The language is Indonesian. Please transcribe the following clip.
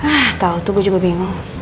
ah tahu tuh gue juga bingung